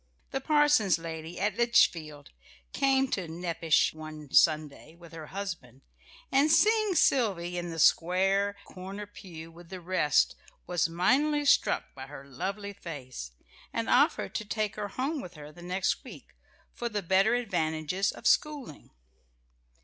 The parson's lady at Litchfield came to Nepash one Sunday, with her husband, and seeing Sylvy in the square corner pew with the rest, was mightily struck by her lovely face, and offered to take her home with her the next week, for the better advantages of schooling.